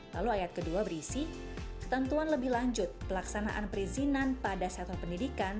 lalu ayat kedua berisi ketentuan lebih lanjut pelaksanaan perizinan pada sektor pendidikan